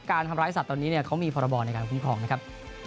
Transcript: เพราะว่าเขามีพรบรในการคุ้มของนะครับ